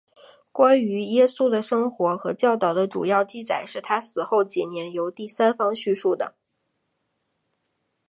关于耶稣的生活和教导的主要记载是他死后几年由第三方叙述的。